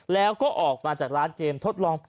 แล้วก็ออกมาจากร้านเกมทดลอง